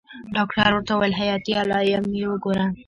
ډاکتر ورته وويل حياتي علايم يې وګوره.